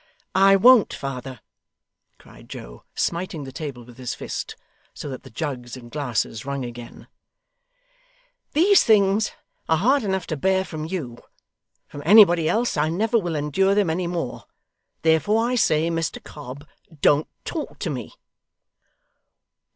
'I won't, father,' cried Joe, smiting the table with his fist, so that the jugs and glasses rung again; 'these things are hard enough to bear from you; from anybody else I never will endure them any more. Therefore I say, Mr Cobb, don't talk to me.